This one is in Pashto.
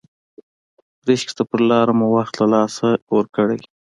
ګرشک ته پر لاره مو وخت له لاسه ورکړی.